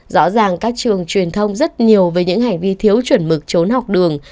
rõ ràng các trường truyền thông rất nhiều về những hành vi thiếu chuẩn mực trốn học đường